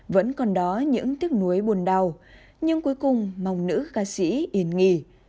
vẫn còn đó những tiếc nuối bùn đau nhưng cuối cùng mong nữ ca sĩ yên nghỉ